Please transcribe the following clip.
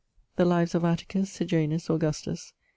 The Lives of Atticus, Sejanus, Augustus.